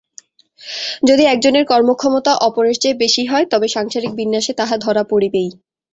যদি একজনের কর্মক্ষমতা অপরের চেয়ে বেশী হয়, তবে সাংসারিক বিন্যাসে তাহা ধরা পড়িবেই।